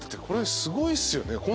これすごいっすよね。